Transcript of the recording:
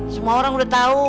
semua orang udah tahu